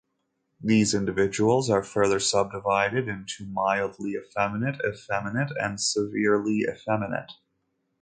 These individuals are further subdivided into "mildly effeminate", "effeminate" and "severely effeminate".